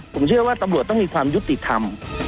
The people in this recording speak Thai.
ผมเชื่อว่าตำรวจต้องมีความยุติธรรม